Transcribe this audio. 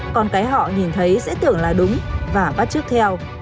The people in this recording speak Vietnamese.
còn cái họ nhìn thấy sẽ tưởng là đúng và bắt trước theo